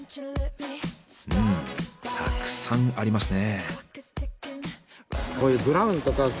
うんたくさんありますね。